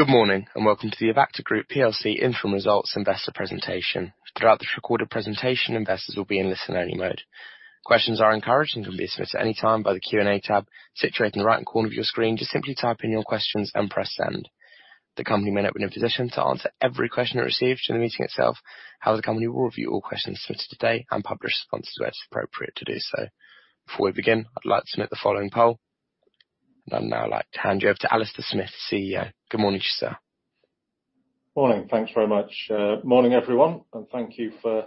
Good morning, and welcome to the Avacta Group plc interim results investor presentation. Throughout this recorded presentation, investors will be in listen-only mode. Questions are encouraged and can be submitted at any time by the Q&A tab situated in the right-hand corner of your screen. Just simply type in your questions and press send. The company may not be in a position to answer every question it receives during the meeting itself. However, the company will review all questions submitted today and publish responses where it's appropriate to do so. Before we begin, I'd like to submit the following poll. I'd now like to hand you over to Alastair Smith, CEO. Good morning to you, sir. Morning. Thanks very much. Morning, everyone, and thank you for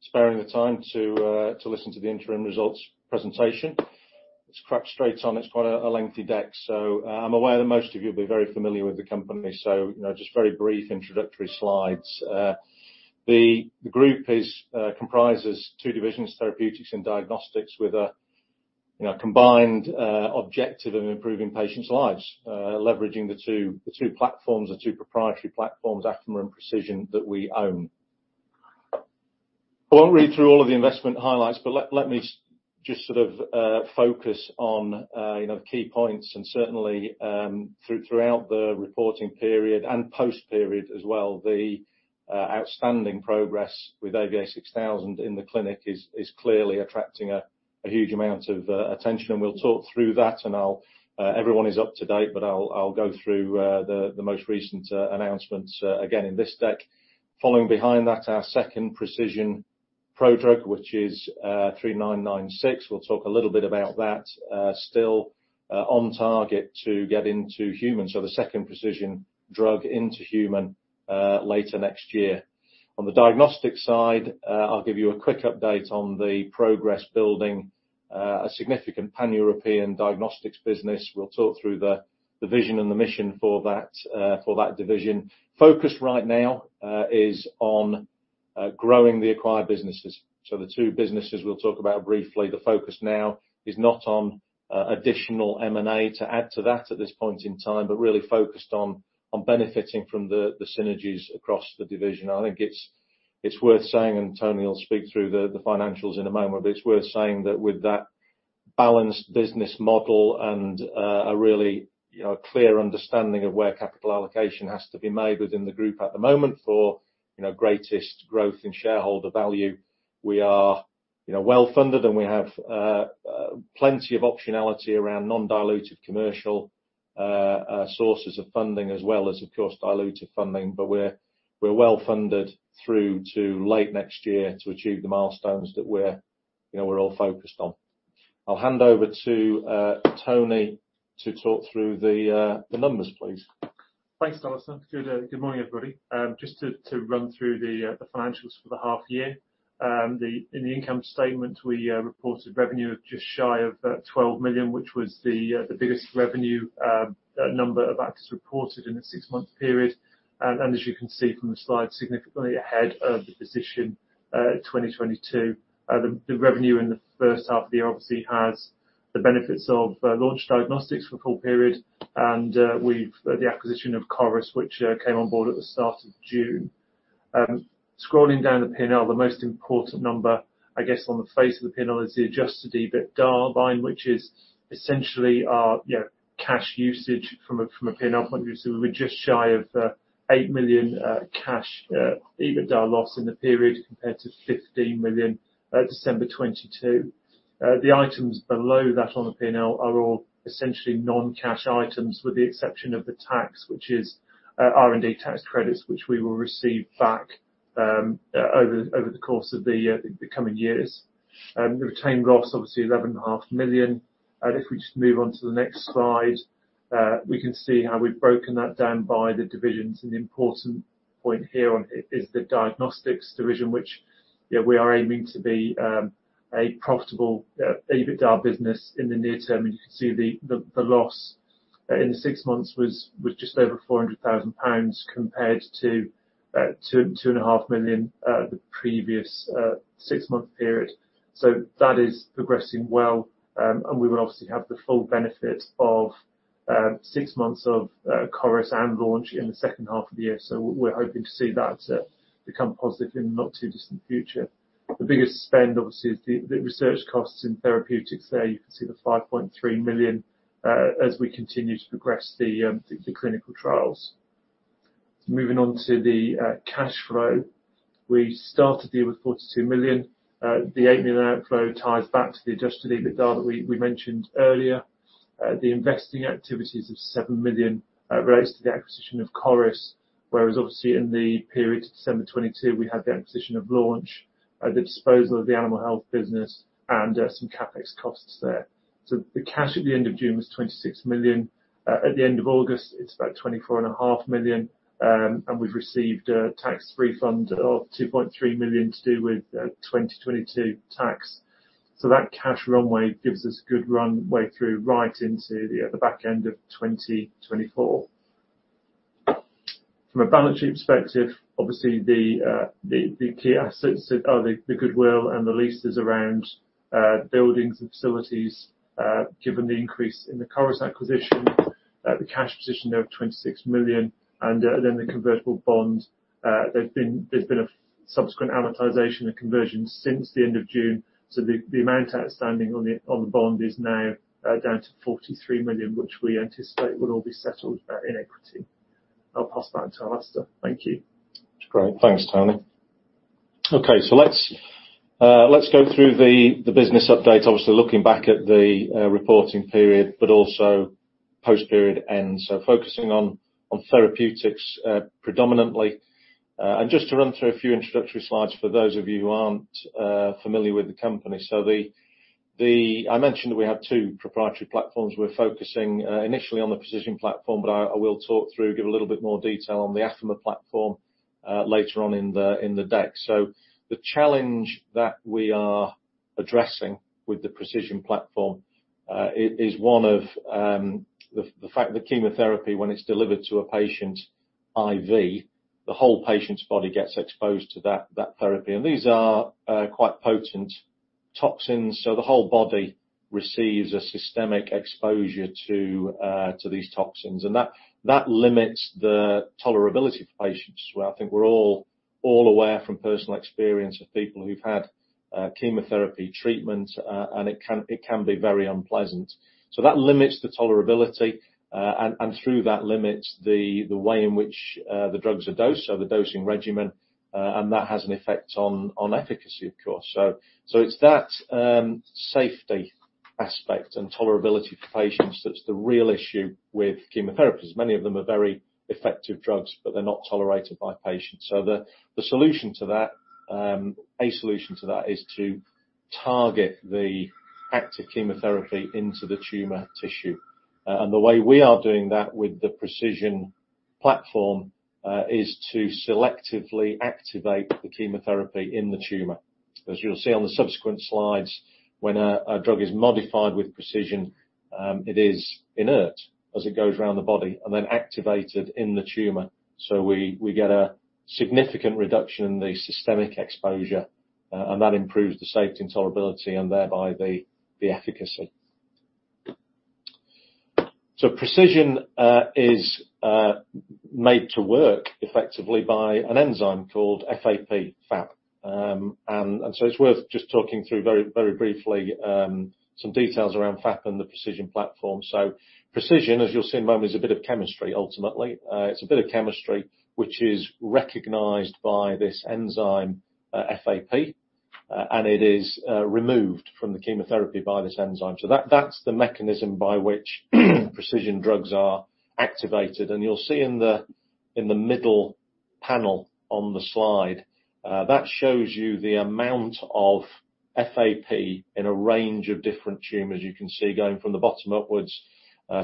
sparing the time to listen to the interim results presentation. Let's crack straight on. It's quite a lengthy deck. So, I'm aware that most of you will be very familiar with the company, so, you know, just very brief introductory slides. The group comprises two divisions, therapeutics and diagnostics, with, you know, a combined objective of improving patients' lives, leveraging the two proprietary platforms, Affimer and pre|CISION, that we own. I won't read through all of the investment highlights, but let me just sort of focus on, you know, the key points. Certainly, throughout the reporting period and post period as well, the outstanding progress with AVA6000 in the clinic is clearly attracting a huge amount of attention, and we'll talk through that. I'll—everyone is up to date, but I'll go through the most recent announcements again in this deck. Following behind that, our second pre|CISION prodrug, which is 3996. We'll talk a little bit about that. Still on target to get into humans, so the second pre|CISION drug into human later next year. On the diagnostics side, I'll give you a quick update on the progress building a significant pan-European diagnostics business. We'll talk through the vision and the mission for that division. Focus right now is on growing the acquired businesses. So the two businesses we'll talk about briefly. The focus now is not on additional M&A to add to that at this point in time, but really focused on benefiting from the synergies across the division. I think it's worth saying, and Tony will speak through the financials in a moment, but it's worth saying that with that balanced business model and a really, you know, clear understanding of where capital allocation has to be made within the group at the moment for, you know, greatest growth and shareholder value, we are, you know, well-funded, and we have plenty of optionality around non-dilutive commercial sources of funding, as well as, of course, dilutive funding. But we're well-funded through to late next year to achieve the milestones that we're, you know, all focused on. I'll hand over to Tony to talk through the numbers, please. Thanks, Alastair. Good morning, everybody. Just to run through the financials for the half year. In the income statement, we reported revenue of just shy of 12 million, which was the biggest revenue number Avacta's reported in a six-month period. And as you can see from the slide, significantly ahead of the position in 2022. The revenue in the first half of the year obviously has the benefits of Launch Diagnostics for the full period, and the acquisition of Coris, which came on board at the start of June. Scrolling down the P&L, the most important number, I guess, on the face of the P&L, is the adjusted EBITDA line, which is essentially our, you know, cash usage from a P&L point of view. So we're just shy of 8 million cash EBITDA loss in the period, compared to 15 million December 2022. The items below that on the P&L are all essentially non-cash items, with the exception of the tax, which is R&D tax credits, which we will receive back over the course of the coming years. The retained loss, obviously 11.5 million. And if we just move on to the next slide, we can see how we've broken that down by the divisions. And the important point here on it is the diagnostics division, which, you know, we are aiming to be a profitable EBITDA business in the near term. You can see the loss in the six months was just over 400 thousand pounds, compared to 2.5 million the previous six-month period. So that is progressing well. We will obviously have the full benefit of six months of Coris and Launch in the second half of the year. So we're hoping to see that become positive in the not-too-distant future. The biggest spend, obviously, is the research costs in therapeutics. There you can see the 5.3 million as we continue to progress the clinical trials. Moving on to the cash flow. We started the year with 42 million. The 8 million outflow ties back to the adjusted EBITDA that we mentioned earlier. The investing activities of 7 million relates to the acquisition of Coris, whereas obviously in the period to December 2022, we had the acquisition of Launch, the disposal of the animal health business, and some CapEx costs there. So the cash at the end of June was 26 million. At the end of August, it's about 24.5 million. And we've received a tax refund of 2.3 million to do with 2022 tax. So that cash runway gives us good runway through right into the back end of 2024. From a balance sheet perspective, obviously, the key assets are the goodwill and the leases around buildings and facilities. Given the increase in the Coris acquisition, the cash position there of 26 million, and then the convertible bond. There's been a subsequent amortization and conversion since the end of June, so the amount outstanding on the bond is now down to 43 million, which we anticipate will all be settled in equity. I'll pass back to Alastair. Thank you. Great. Thanks, Tony. Okay, so let's go through the business update. Obviously, looking back at the reporting period, but also post-period end. So focusing on therapeutics, predominantly. And just to run through a few introductory slides for those of you who aren't familiar with the company. So I mentioned that we have two proprietary platforms. We're focusing initially on the pre|CISION platform, but I will talk through, give a little bit more detail on the Affimer platform, later on in the deck. So the challenge that we are addressing with the pre|CISION platform is one of the fact that chemotherapy, when it's delivered to a patient IV, the whole patient's body gets exposed to that therapy, and these are quite potent toxins, so the whole body receives a systemic exposure to these toxins. And that limits the tolerability for patients, where I think we're all aware from personal experience of people who've had chemotherapy treatment, and it can be very unpleasant. That limits the tolerability, and through that, limits the way in which the drugs are dosed, so the dosing regimen, and that has an effect on efficacy, of course. It's that safety aspect and tolerability for patients that's the real issue with chemotherapies. Many of them are very effective drugs, but they're not tolerated by patients. So the solution to that, a solution to that, is to target the active chemotherapy into the tumor tissue. And the way we are doing that with the pre|CISION platform is to selectively activate the chemotherapy in the tumor. As you'll see on the subsequent slides, when a drug is modified with pre|CISION, it is inert as it goes around the body and then activated in the tumor, so we get a significant reduction in the systemic exposure, and that improves the safety and tolerability, and thereby, the efficacy. So pre|CISION is made to work effectively by an enzyme called F-A-P, FAP. And so it's worth just talking through very, very briefly some details around FAP and the pre|CISION platform. So pre|CISION, as you'll see in a moment, is a bit of chemistry, ultimately. It's a bit of chemistry, which is recognized by this enzyme, FAP, and it is removed from the chemotherapy by this enzyme. So that's the mechanism by which pre|CISION drugs are activated. And you'll see in the middle panel on the slide that shows you the amount of FAP in a range of different tumors. You can see going from the bottom upwards,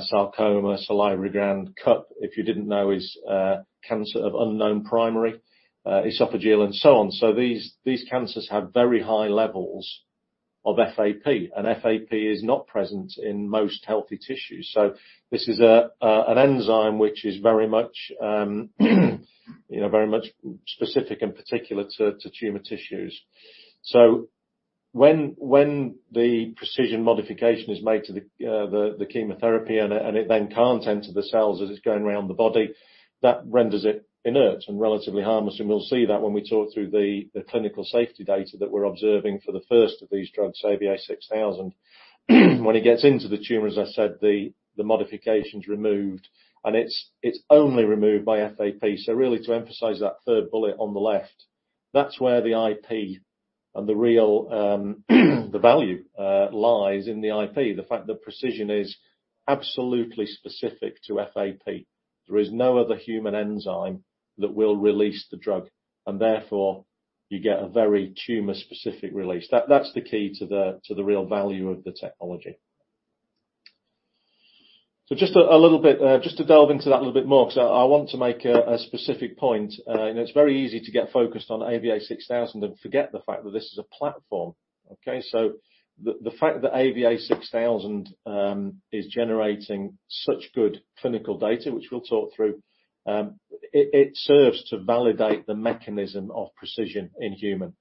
sarcoma, salivary gland, CUP, if you didn't know, is cancer of unknown primary, esophageal, and so on. So these cancers have very high levels of FAP, and FAP is not present in most healthy tissues. So this is an enzyme which is very much, you know, very much specific and particular to tumor tissues. So when the pre|CISION modification is made to the chemotherapy and it then can't enter the cells as it's going around the body, that renders it inert and relatively harmless, and we'll see that when we talk through the clinical safety data that we're observing for the first of these drugs, AVA6000. When it gets into the tumor, as I said, the modification's removed, and it's only removed by FAP. So really, to emphasize that third bullet on the left, that's where the IP and the real value lies in the IP. The fact that pre|CISION is absolutely specific to FAP. There is no other human enzyme that will release the drug, and therefore, you get a very tumor-specific release. That's the key to the real value of the technology. So just a little bit, just to delve into that a little bit more, 'cause I want to make a specific point. You know, it's very easy to get focused on AVA6000 and forget the fact that this is a platform, okay? So the fact that AVA6000 is generating such good clinical data, which we'll talk through, it serves to validate the mechanism of pre|CISION in human.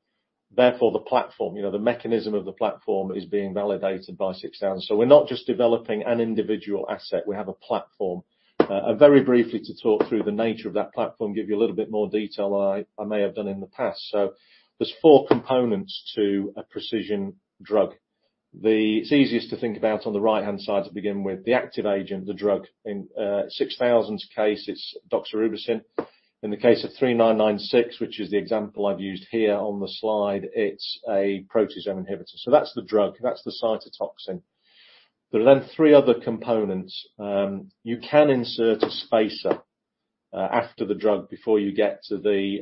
Therefore, the platform, you know, the mechanism of the platform is being validated by 6000. So we're not just developing an individual asset, we have a platform. And very briefly, to talk through the nature of that platform, give you a little bit more detail than I may have done in the past. So there's four components to a pre|CISION drug. It's easiest to think about on the right-hand side to begin with. The active agent, the drug. In 6000's case, it's doxorubicin. In the case of 3996, which is the example I've used here on the slide, it's a proteasome inhibitor. So that's the drug, that's the cytotoxin. There are then three other components. You can insert a spacer after the drug before you get to the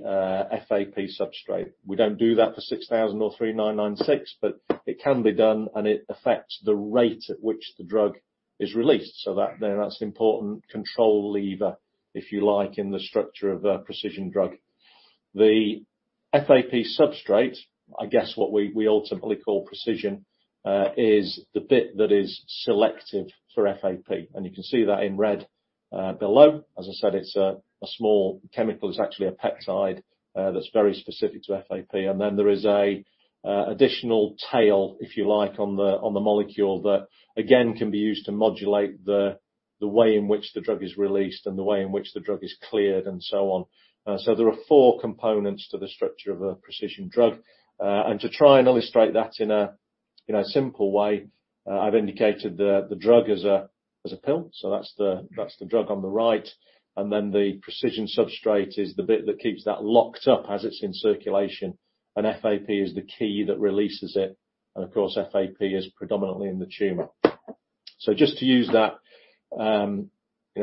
FAP substrate. We don't do that for 6000 or 3996, but it can be done, and it affects the rate at which the drug is released. So that, then, that's an important control lever, if you like, in the structure of a pre|CISION drug. The FAP substrate, I guess what we ultimately call pre|CISION is the bit that is selective for FAP, and you can see that in red below. As I said, it's a small chemical. It's actually a peptide that's very specific to FAP. And then there is an additional tail, if you like, on the molecule that, again, can be used to modulate the way in which the drug is released and the way in which the drug is cleared, and so on. So there are four components to the structure of a pre|CISION drug. And to try and illustrate that in a simple way, I've indicated the drug as a pill, so that's the drug on the right. And then the pre|CISION substrate is the bit that keeps that locked up as it's in circulation, and FAP is the key that releases it, and of course, FAP is predominantly in the tumor. So just to use that, you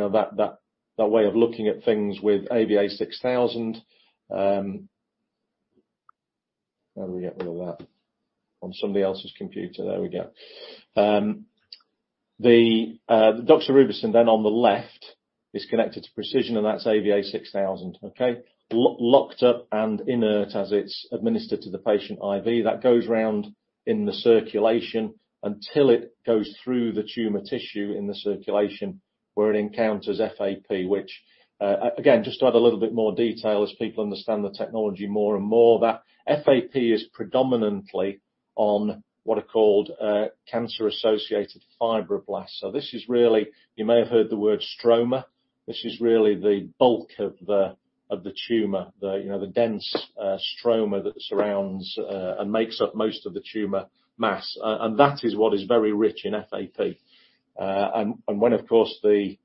know, that way of looking at things with AVA6000. How do we get rid of that? On somebody else's computer. There we go. The doxorubicin then on the left is connected to pre|CISION, and that's AVA6000, okay? Locked up and inert as it's administered to the patient IV, that goes around in the circulation until it goes through the tumor tissue in the circulation, where it encounters FAP, which, again, just to add a little bit more detail, as people understand the technology more and more, that FAP is predominantly on what are called cancer-associated fibroblasts. So this is really. You may have heard the word stroma. This is really the bulk of the tumor, you know, the dense stroma that surrounds and makes up most of the tumor mass. And that is what is very rich in FAP. And when, of course, the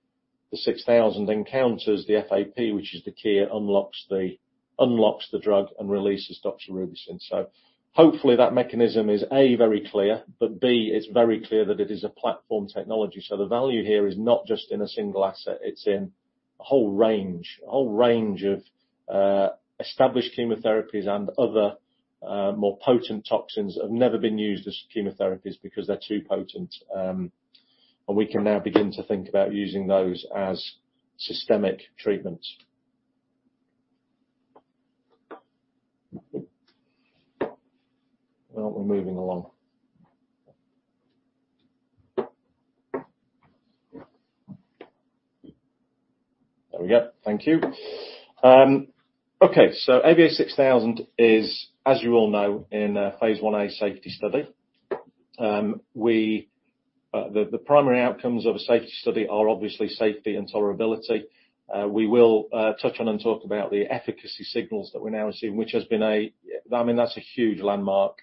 AVA6000 encounters the FAP, which is the key, it unlocks the drug and releases doxorubicin. So hopefully, that mechanism is, A, very clear, but B, it's very clear that it is a platform technology. So the value here is not just in a single asset, it's in a whole range. A whole range of established chemotherapies and other more potent toxins that have never been used as chemotherapies because they're too potent. And we can now begin to think about using those as systemic treatments. Well, we're moving along. There we go. Thank you. Okay, so AVA6000 is, as you all know, in a phase IA safety study. The primary outcomes of a safety study are obviously safety and tolerability. We will touch on and talk about the efficacy signals that we're now seeing, which has been—I mean, that's a huge landmark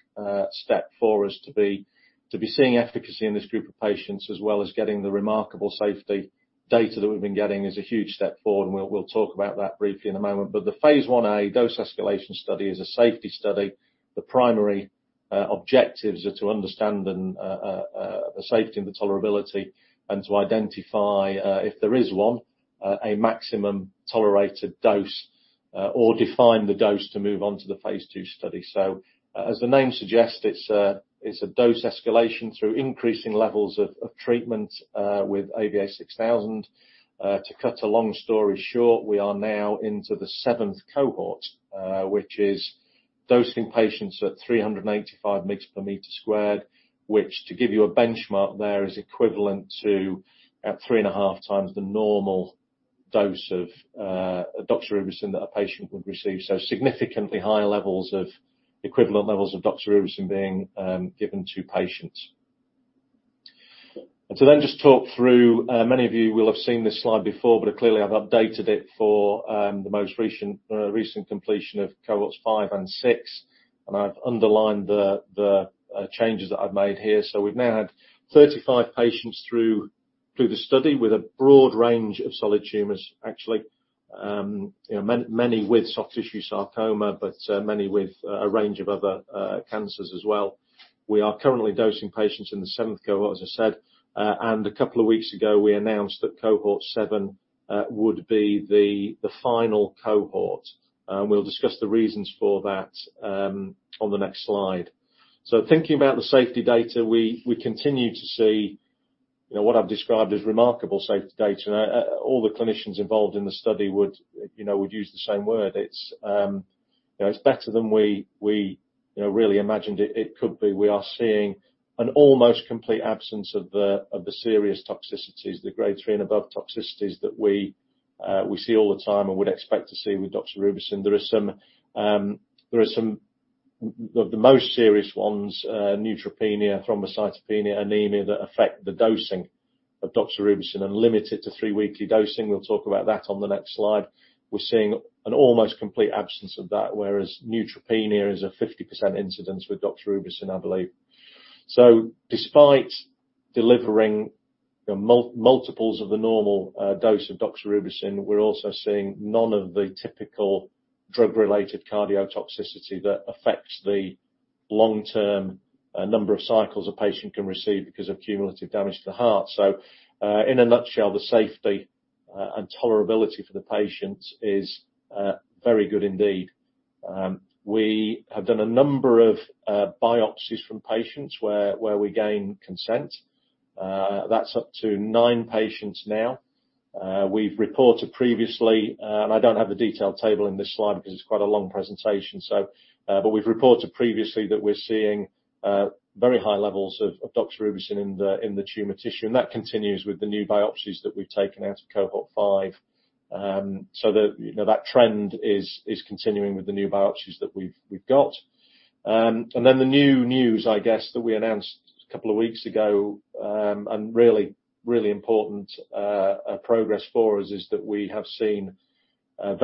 step for us to be seeing efficacy in this group of patients, as well as getting the remarkable safety data that we've been getting, is a huge step forward, and we'll talk about that briefly in a moment. But the phase IA dose-escalation study is a safety study. The primary objectives are to understand the safety and the tolerability, and to identify, if there is one, a maximum tolerated dose, or define the dose to move on to the phase II study. So, as the name suggests, it's a dose escalation through increasing levels of treatment with AVA6000. To cut a long story short, we are now into the seventh cohort, which is dosing patients at 385 mg/m², which, to give you a benchmark there, is equivalent to about 3.5 times the normal dose of doxorubicin that a patient would receive. So significantly higher levels of equivalent levels of doxorubicin being given to patients. To then just talk through, many of you will have seen this slide before, but clearly, I've updated it for the most recent completion of cohorts 5 and 6, and I've underlined the changes that I've made here. So we've now had 35 patients through the study with a broad range of solid tumors, actually. You know, many with soft tissue sarcoma, but many with a range of other cancers as well. We are currently dosing patients in the seventh cohort, as I said, and a couple of weeks ago, we announced that cohort seven would be the final cohort. We'll discuss the reasons for that on the next slide. So thinking about the safety data, we continue to see, you know, what I've described as remarkable safety data. All the clinicians involved in the study would, you know, would use the same word. It's, you know, it's better than we really imagined it could be. We are seeing an almost complete absence of the serious toxicities, the grade 3 above toxicities that we see all the time and would expect to see with doxorubicin. There are some. The most serious ones, neutropenia, thrombocytopenia, anemia, that affect the dosing of doxorubicin and limit it to 3-weekly dosing. We'll talk about that on the next slide. We're seeing an almost complete absence of that, whereas neutropenia is a 50% incidence with doxorubicin, I believe. So despite delivering, you know, multiples of the normal dose of doxorubicin, we're also seeing none of the typical drug-related cardiotoxicity that affects the long-term number of cycles a patient can receive because of cumulative damage to the heart. So, in a nutshell, the safety and tolerability for the patients is very good indeed. We have done a number of biopsies from patients where we gain consent. That's up to nine patients now. We've reported previously, and I don't have the detailed table in this slide because it's quite a long presentation, so... But we've reported previously that we're seeing very high levels of doxorubicin in the tumor tissue, and that continues with the new biopsies that we've taken out of Cohort Five. So the, you know, that trend is continuing with the new biopsies that we've got. And then the new news, I guess, that we announced a couple of weeks ago, and really, really important progress for us, is that we have seen-...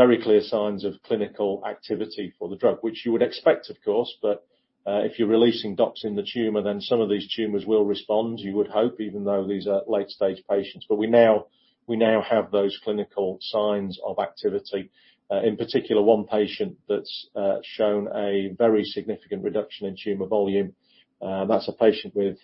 Very clear signs of clinical activity for the drug, which you would expect, of course, but if you're releasing dox in the tumor, then some of these tumors will respond. You would hope, even though these are late-stage patients. But we now, we now have those clinical signs of activity. In particular, one patient that's shown a very significant reduction in tumor volume, that's a patient with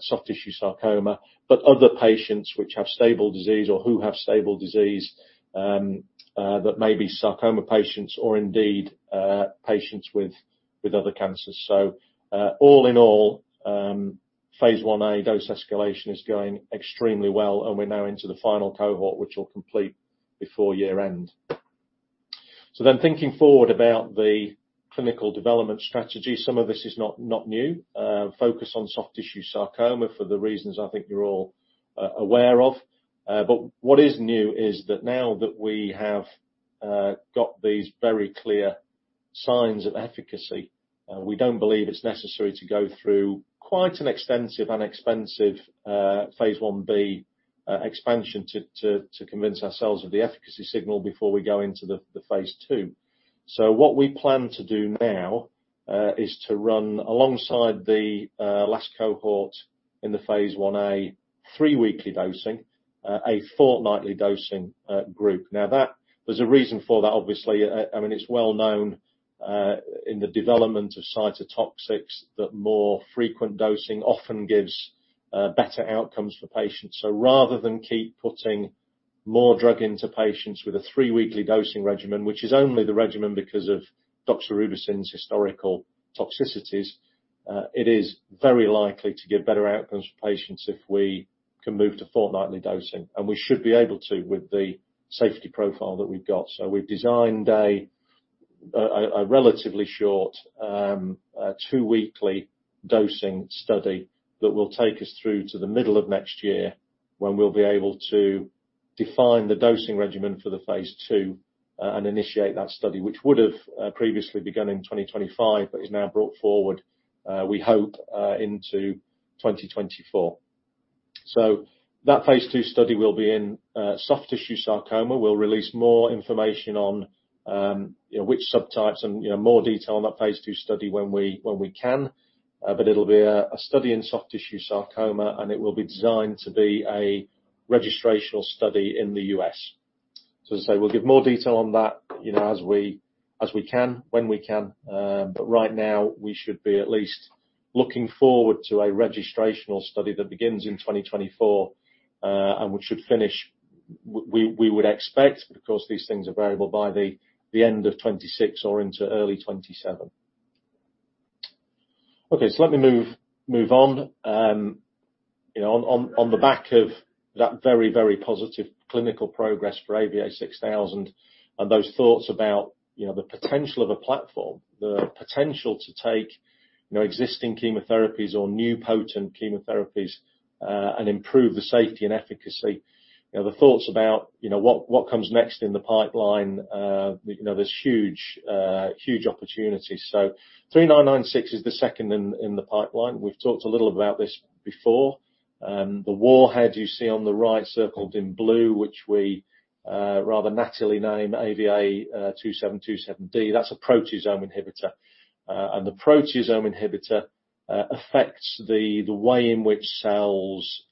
soft tissue sarcoma. But other patients which have stable disease or who have stable disease, that may be sarcoma patients or indeed, patients with, with other cancers. So, all in all, phase IA dose escalation is going extremely well, and we're now into the final cohort, which will complete before year-end. So then thinking forward about the clinical development strategy, some of this is not, not new. Focus on soft tissue sarcoma for the reasons I think you're all aware of. But what is new is that now that we have got these very clear signs of efficacy, we don't believe it's necessary to go through quite an extensive and expensive phase IB expansion to convince ourselves of the efficacy signal before we go into the phase II. So what we plan to do now is to run alongside the last cohort in the phase IA three-weekly dosing, a fortnightly dosing group. Now that there's a reason for that, obviously. I mean, it's well known in the development of cytotoxins that more frequent dosing often gives better outcomes for patients. So rather than keep putting more drug into patients with a three-weekly dosing regimen, which is only the regimen because of doxorubicin's historical toxicities, it is very likely to give better outcomes for patients if we can move to fortnightly dosing, and we should be able to with the safety profile that we've got. So we've designed a relatively short two-weekly dosing study that will take us through to the middle of next year, when we'll be able to define the dosing regimen for the phase II, and initiate that study, which would have previously begun in 2025, but is now brought forward, we hope, into 2024. So that phase II study will be in soft tissue sarcoma. We'll release more information on, you know, which subtypes and, you know, more detail on that phase II study when we, when we can. But it'll be a study in soft tissue sarcoma, and it will be designed to be a registrational study in the U.S. So as I say, we'll give more detail on that, you know, as we, as we can, when we can. But right now, we should be at least looking forward to a registrational study that begins in 2024, and which should finish, we would expect, because these things are variable, by the end of 2026 or into early 2027. Okay, so let me move on. You know, on the back of that very, very positive clinical progress for AVA6000 and those thoughts about, you know, the potential of a platform, the potential to take, you know, existing chemotherapies or new potent chemotherapies, and improve the safety and efficacy, you know, the thoughts about, you know, what comes next in the pipeline, you know, there's huge, huge opportunities. So 3996 is the second in the pipeline. We've talked a little about this before. The warhead you see on the right, circled in blue, which we rather nattily name AVA2727D, that's a proteasome inhibitor. And the proteasome inhibitor affects the way in which cells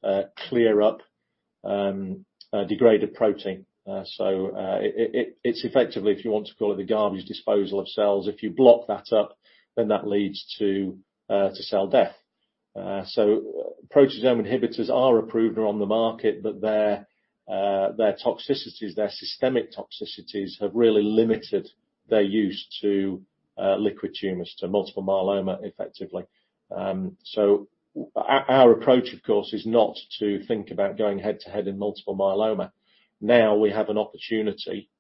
clear up a degraded protein. So it's effectively, if you want to call it, the garbage disposal of cells. If you block that up, then that leads to cell death. So proteasome inhibitors are approved or on the market, but their toxicities, their systemic toxicities, have really limited their use to liquid tumors, to multiple myeloma effectively. So our approach, of course, is not to think about going head to head in multiple myeloma. Now, we have an opportunity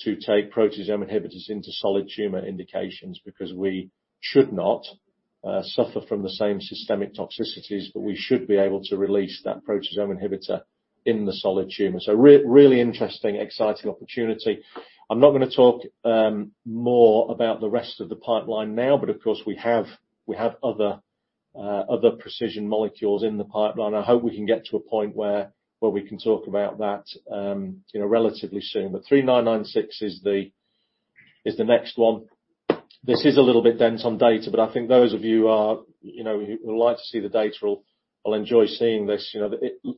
to take proteasome inhibitors into solid tumor indications because we should not suffer from the same systemic toxicities, but we should be able to release that proteasome inhibitor in the solid tumor. So really interesting, exciting opportunity. I'm not gonna talk more about the rest of the pipeline now, but of course, we have other pre|CISION molecules in the pipeline. I hope we can get to a point where we can talk about that, you know, relatively soon. But 3996 is the next one. This is a little bit dense on data, but I think those of you who would like to see the data will enjoy seeing this. You know,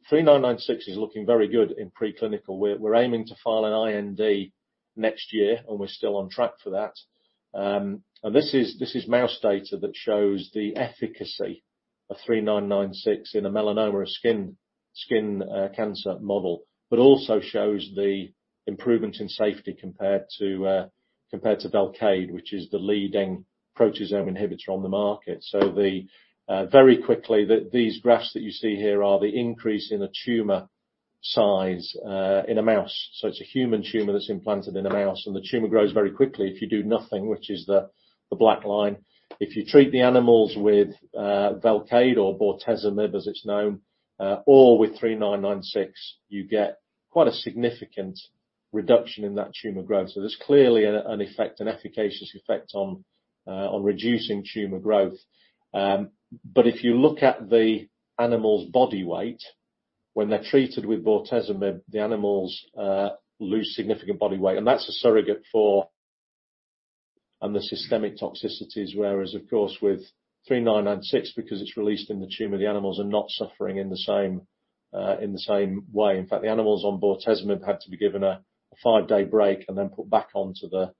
3996 is looking very good in preclinical. We're aiming to file an IND next year, and we're still on track for that. And this is mouse data that shows the efficacy of 3996 in a melanoma, a skin cancer model, but also shows the improvement in safety compared to VELCADE, which is the leading proteasome inhibitor on the market. So, very quickly, these graphs that you see here are the increase in the tumor size in a mouse. So it's a human tumor that's implanted in a mouse, and the tumor grows very quickly if you do nothing, which is the black line. If you treat the animals with VELCADE or bortezomib, as it's known, or with 3996, you get quite a significant reduction in that tumor growth. So there's clearly an effect, an efficacious effect on reducing tumor growth. But if you look at the animal's body weight, when they're treated with bortezomib, the animals lose significant body weight, and that's a surrogate for the systemic toxicities, whereas, of course, with 3996, because it's released in the tumor, the animals are not suffering in the same way. In fact, the animals on bortezomib had to be given a five-day break and then put back onto the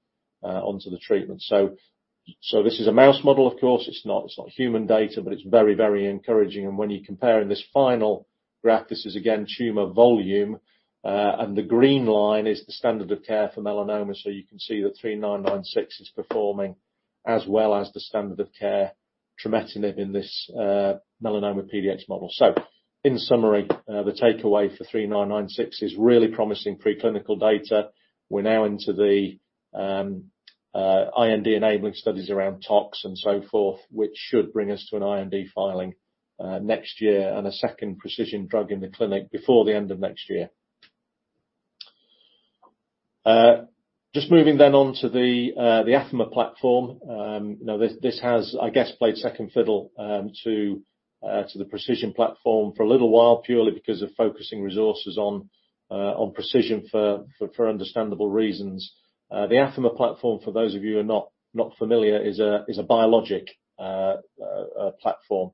treatment. So this is a mouse model of course, it's not, it's not human data, but it's very, very encouraging. And when you're comparing this final graph, this is again, tumor volume. And the green line is the standard of care for melanoma, so you can see that 3996 is performing as well as the standard of care, trametinib, in this melanoma PDX model. So in summary, the takeaway for 3996 is really promising preclinical data. We're now into the IND-enabling studies around tox and so forth, which should bring us to an IND filing, next year, and a second pre|CISION drug in the clinic before the end of next year. Just moving then on to the Affimer platform. Now, this has, I guess, played second fiddle to the pre|CISION platform for a little while, purely because of focusing resources on pre|CISION for understandable reasons. The Affimer platform, for those of you who are not familiar, is a biologic platform.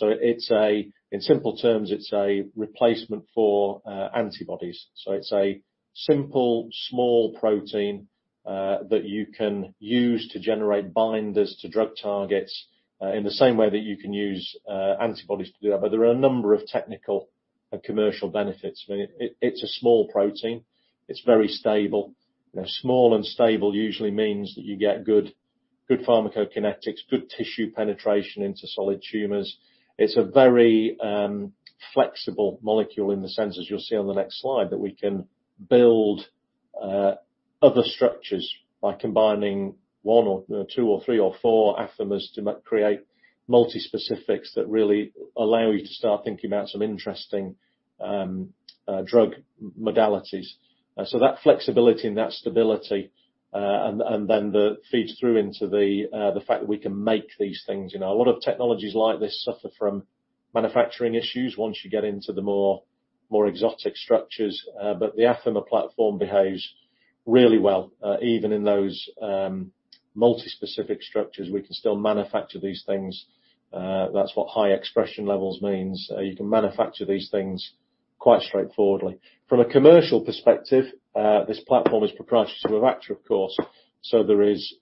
In simple terms, it's a replacement for antibodies. So it's a simple, small protein that you can use to generate binders to drug targets in the same way that you can use antibodies to do that. But there are a number of technical and commercial benefits. I mean, it's a small protein, it's very stable. You know, small and stable usually means that you get good pharmacokinetics, good tissue penetration into solid tumors. It's a very flexible molecule in the sense, as you'll see on the next slide, that we can build other structures by combining one or two or three or four Affimers to create multi-specifics that really allow you to start thinking about some interesting drug modalities. So that flexibility and that stability and then feeds through into the fact that we can make these things. You know, a lot of technologies like this suffer from manufacturing issues once you get into the more exotic structures. But the Affimer platform behaves really well, even in those multi-specific structures, we can still manufacture these things. That's what high expression levels means. You can manufacture these things quite straightforwardly. From a commercial perspective, this platform is proprietary to Avacta, of course, so there is...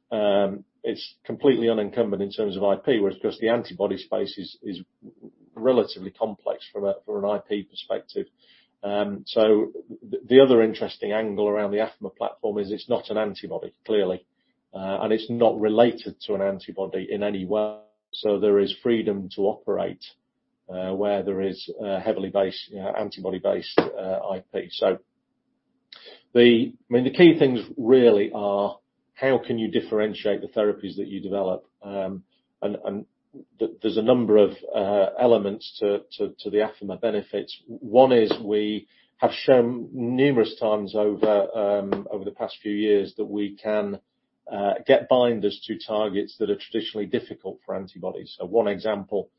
It's completely unencumbered in terms of IP, whereas, of course, the antibody space is relatively complex from an IP perspective. So the other interesting angle around the Affimer platform is it's not an antibody, clearly, and it's not related to an antibody in any way, so there is freedom to operate, where there is a heavily based, antibody-based, IP. I mean, the key things really are, how can you differentiate the therapies that you develop? And there's a number of elements to the Affimer benefits. One is we have shown numerous times over the past few years that we can get binders to targets that are traditionally difficult for antibodies. So one example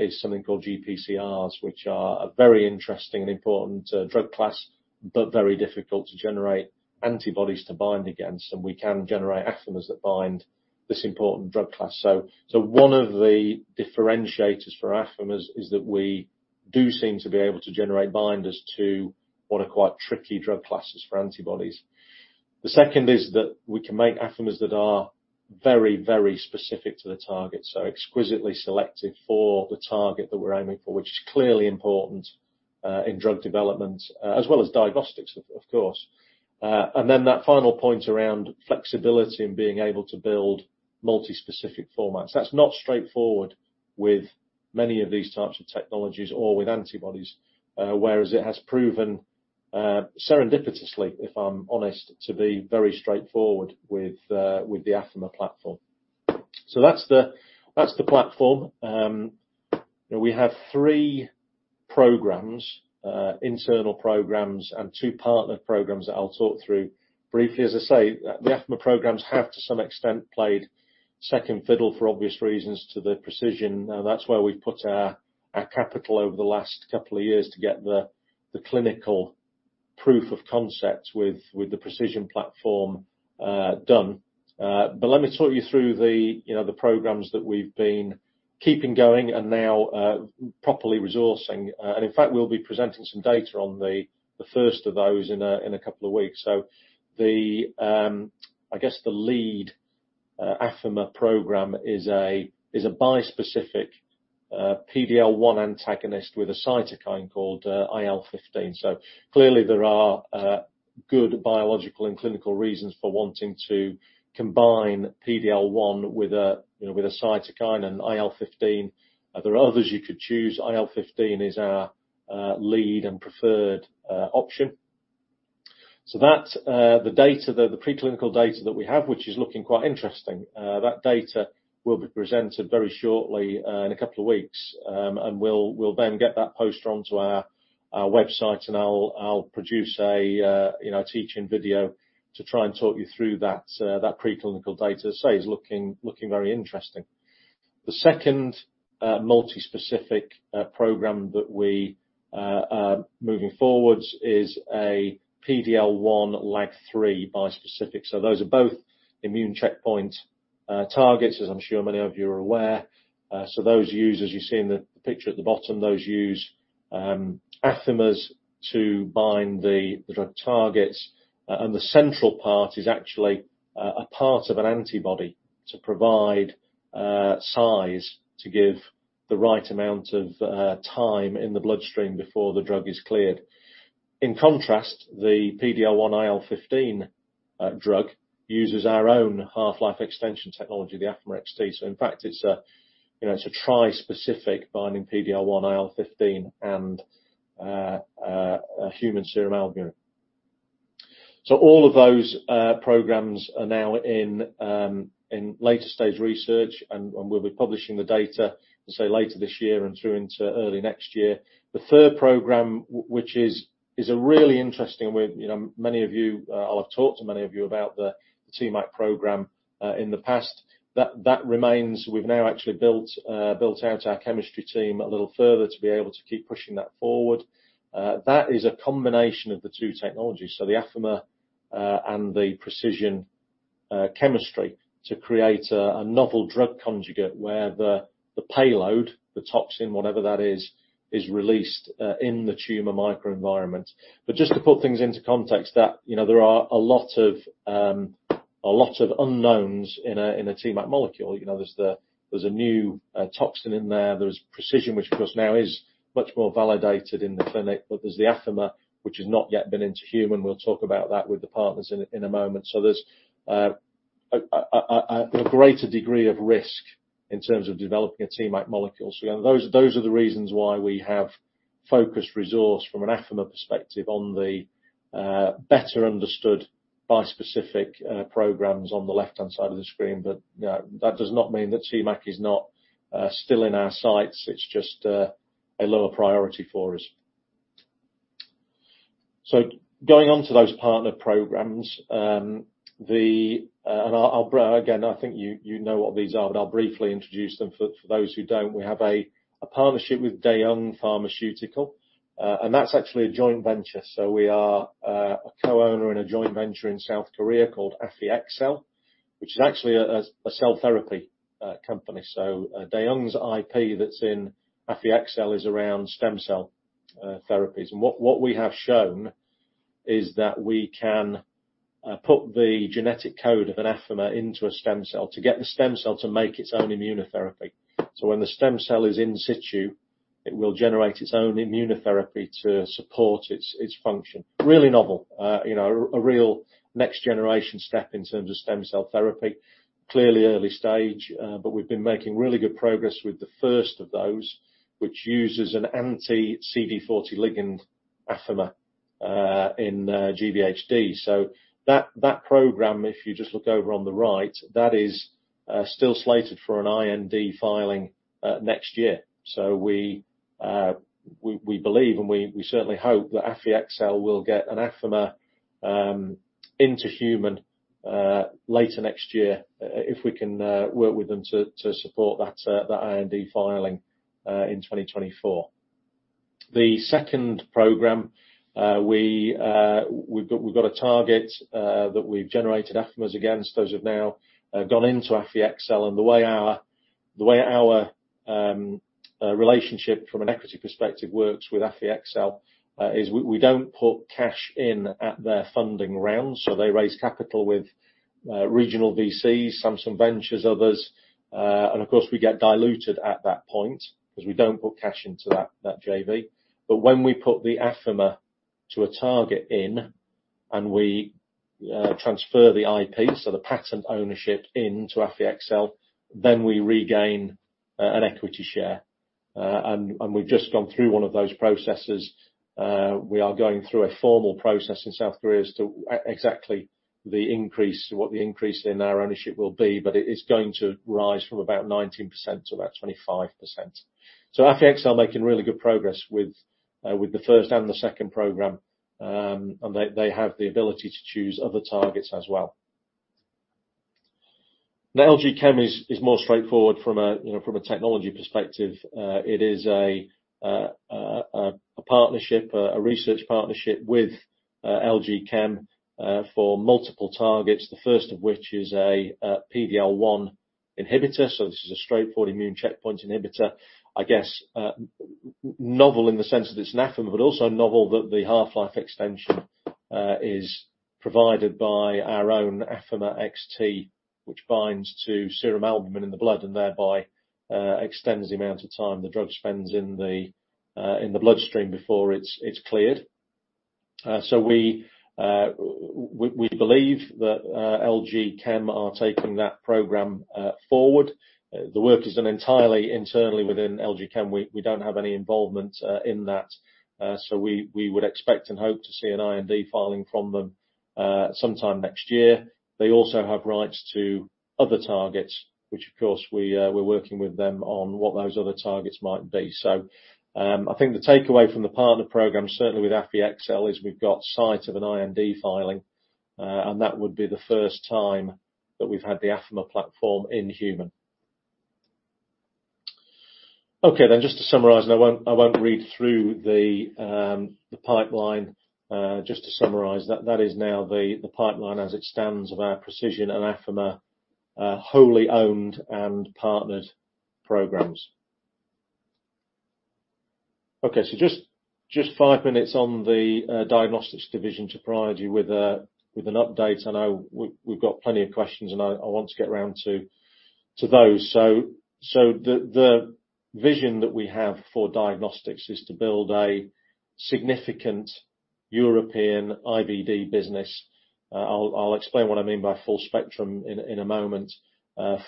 is something called GPCRs, which are a very interesting and important drug class, but very difficult to generate antibodies to bind against, and we can generate Affimers that bind this important drug class. So, so one of the differentiators for Affimers is that we do seem to be able to generate binders to what are quite tricky drug classes for antibodies. The second is that we can make Affimers that are very, very specific to the target, so exquisitely selected for the target that we're aiming for, which is clearly important in drug development as well as diagnostics, of course. And then that final point around flexibility and being able to build multi-specific formats. That's not straightforward with many of these types of technologies or with antibodies, whereas it has proven, serendipitously, if I'm honest, to be very straightforward with the Affimer platform. So that's the platform. You know, we have three programs, internal programs, and two partner programs that I'll talk through briefly. As I say, the Affimer programs have, to some extent, played second fiddle, for obvious reasons, to the pre|CISION. Now, that's where we've put our capital over the last couple of years to get the clinical proof of concept with the pre|CISION platform done. But let me talk you through the, you know, the programs that we've been keeping going and now properly resourcing. And in fact, we'll be presenting some data on the first of those in a couple of weeks. So the, I guess the lead Affimer program is a bispecific PD-L1 antagonist with a cytokine called IL-15. So clearly, there are good biological and clinical reasons for wanting to combine PD-L1 with a, you know, with a cytokine and IL-15. There are others you could choose. IL-15 is our lead and preferred option. So that's the data, the preclinical data that we have, which is looking quite interesting. That data will be presented very shortly in a couple of weeks. And we'll then get that post onto our website, and I'll produce a, you know, a teaching video to try and talk you through that. That preclinical data, as I say, is looking very interesting. The second multispecific program that we are moving forwards is a PD-L1 LAG-3 bispecific. So those are both immune checkpoint targets, as I'm sure many of you are aware. So those use, as you see in the picture at the bottom, those use Affimers to bind the the drug targets and the central part is actually a part of an antibody to provide size, to give the right amount of time in the bloodstream before the drug is cleared. In contrast, the PD-L1 IL-15 drug uses our own half-life extension technology, the Affimer-XT. So in fact, it's a, you know, it's a tri-specific binding PD-L1 IL-15, and a human serum albumin. So all of those programs are now in later stage research, and we'll be publishing the data, say, later this year and through into early next year. The third program, which is a really interesting with, you know, many of you... I'll have talked to many of you about the TMAC program in the past. That remains. We've now actually built out our chemistry team a little further to be able to keep pushing that forward. That is a combination of the two technologies, so the Affimer and the pre|CISION chemistry, to create a novel drug conjugate, where the payload, the toxin, whatever that is, is released in the tumor microenvironment. But just to put things into context, you know, there are a lot of a lot of unknowns in a TMAC molecule. You know, there's a new toxin in there. There's pre|CISION, which, of course, now is much more validated in the clinic, but there's the Affimer, which has not yet been into human. We'll talk about that with the partners in a moment. So there's a greater degree of risk in terms of developing a TMAC molecule. So those are the reasons why we have focused resource from an Affimer perspective on the better understood bispecific programs on the left-hand side of the screen. But that does not mean that TMAC is not still in our sights. It's just a lower priority for us. So going on to those partner programs, and I'll again, I think you know what these are, but I'll briefly introduce them for those who don't. We have a partnership with Daewoong Pharmaceutical, and that's actually a joint venture. So we are a co-owner in a joint venture in South Korea called AffyXell, which is actually a cell therapy company. So Daewoong's IP that's in AffyXell is around stem cell therapies. And what we have shown is that we can put the genetic code of an Affimer into a stem cell to get the stem cell to make its own immunotherapy. So when the stem cell is in situ, it will generate its own immunotherapy to support its function. Really novel, you know, a real next-generation step in terms of stem cell therapy. Clearly early stage, but we've been making really good progress with the first of those, which uses an anti-CD40 ligand Affimer in GVHD. So that program, if you just look over on the right, that is still slated for an IND filing next year. So we believe, and we certainly hope that AffyXell will get an Affimer into human later next year, if we can work with them to support that IND filing in 2024. The second program, we've got a target that we've generated Affimers against. Those have now gone into AffyXell, and the way our relationship from an equity perspective works with AffyXell is we don't put cash in at their funding rounds, so they raise capital with regional VCs, Samsung Ventures, others. And of course, we get diluted at that point, because we don't put cash into that JV. But when we put the Affimer to a target in, and we transfer the IP, so the patent ownership into AffyXell, then we regain an equity share. And we've just gone through one of those processes. We are going through a formal process in South Korea as to exactly the increase, what the increase in our ownership will be, but it is going to rise from about 19% to about 25%. So AffyXell are making really good progress with the first and the second program. And they have the ability to choose other targets as well. Now, LG Chem is more straightforward from a, you know, from a technology perspective. It is a partnership, a research partnership with LG Chem for multiple targets. The first of which is a PD-L1 inhibitor, so this is a straightforward immune checkpoint inhibitor. I guess, novel in the sense that it's an Affimer, but also novel that the half-life extension is provided by our own Affimer-XT, which binds to serum albumin in the blood, and thereby extends the amount of time the drug spends in the bloodstream before it's cleared. So we believe that LG Chem are taking that program forward. The work is done entirely internally within LG Chem. We don't have any involvement in that. So we would expect and hope to see an IND filing from them sometime next year. They also have rights to other targets, which, of course, we're working with them on what those other targets might be. So I think the takeaway from the partner program, certainly with AffyXell, is we've got sight of an IND filing and that would be the first time that we've had the Affimer platform in human. Okay, then, just to summarize, and I won't, I won't read through the pipeline. Just to summarize, that is now the pipeline as it stands of our pre|CISION and Affimer wholly owned and partnered programs. Okay. Just five minutes on the diagnostics division to provide you with an update. I know we've got plenty of questions, and I want to get around to those. So the vision that we have for diagnostics is to build a significant European IVD business. I'll explain what I mean by full spectrum in a moment.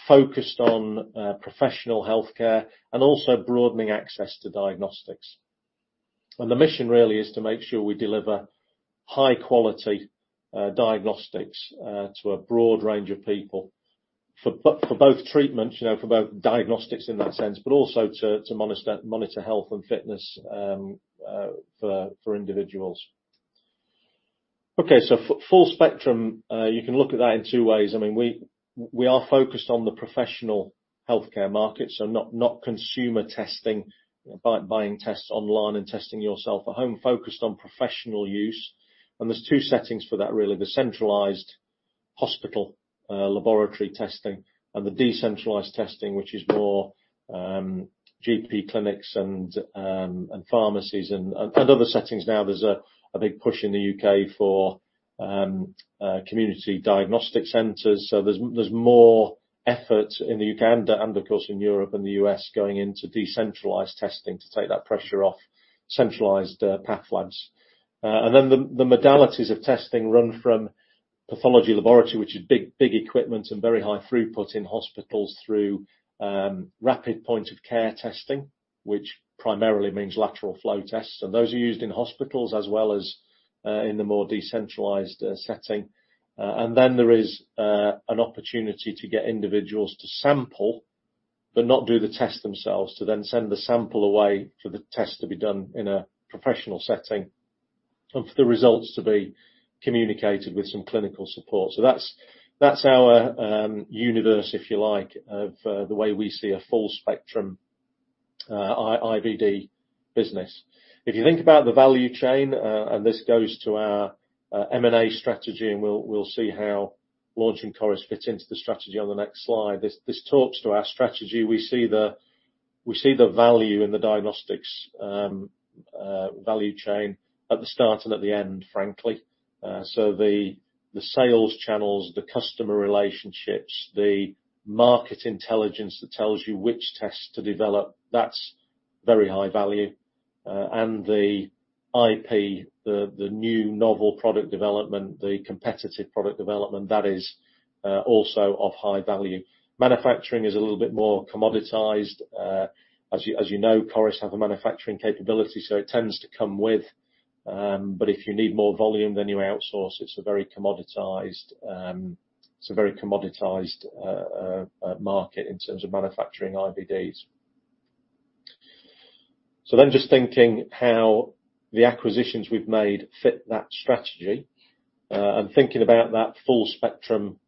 Focused on professional healthcare and also broadening access to diagnostics. The mission really is to make sure we deliver high quality diagnostics to a broad range of people for both treatments, you know, for both diagnostics in that sense, but also to monitor health and fitness for individuals. Okay, so full spectrum, you can look at that in two ways. I mean, we are focused on the professional healthcare market, so not consumer testing, buying tests online and testing yourself at home, focused on professional use. There's two settings for that, really. The centralized hospital laboratory testing, and the decentralized testing, which is more GP clinics and pharmacies and other settings. Now, there's a big push in the U.K. for community diagnostic centers, so there's more effort in the U.K. and, of course, in Europe and the U.S., going into decentralized testing to take that pressure off centralized path labs. And then the modalities of testing run from pathology laboratory, which is big equipment and very high throughput in hospitals through rapid point-of-care testing, which primarily means lateral flow tests. And those are used in hospitals as well as in the more decentralized setting. And then there is an opportunity to get individuals to sample, but not do the test themselves, to then send the sample away for the test to be done in a professional setting, and for the results to be communicated with some clinical support. So that's our universe, if you like, of the way we see a full spectrum IVD business. If you think about the value chain, and this goes to our M&A strategy, and we'll see how Launch and Coris fit into the strategy on the next slide. This talks to our strategy. We see the value in the diagnostics value chain at the start and at the end, frankly. So the sales channels, the customer relationships, the market intelligence that tells you which tests to develop, that's very high value. And the IP, the new novel product development, the competitive product development, that is also of high value. Manufacturing is a little bit more commoditized. As you know, Coris have a manufacturing capability, so it tends to come with. But if you need more volume, then you outsource. It's a very commoditized market in terms of manufacturing IVDs. So then just thinking how the acquisitions we've made fit that strategy, and thinking about that full-spectrum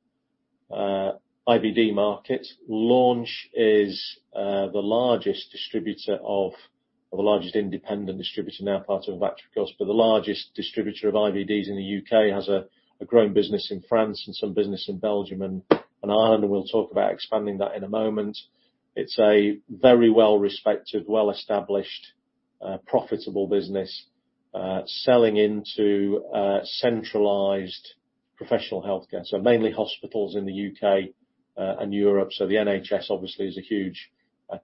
IVD market, Launch is the largest distributor of- or the largest independent distributor, now part of Avacta, of course, but the largest distributor of IVDs in the U.K,, has a growing business in France and some business in Belgium and Ireland, and we'll talk about expanding that in a moment. It's a very well-respected, well-established, profitable business, selling into centralized professional healthcare, so mainly hospitals in the U.K. and Europe. So the NHS obviously is a huge